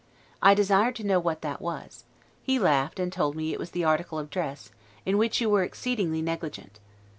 I desired to know what that was; he laughed and told me it was the article of dress, in which you were exceedingly negligent.